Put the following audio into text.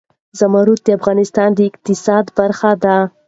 زمرد د افغانستان د اقتصاد برخه ده.